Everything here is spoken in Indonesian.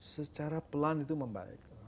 secara pelan itu membaik